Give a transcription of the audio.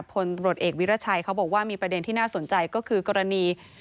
พลตำรวจเอกวิรัชัยเขาบอกว่ามีประเด็นที่น่าสนใจก็คือกรณี